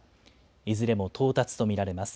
いずれも到達と見られます。